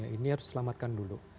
ini harus selamatkan dulu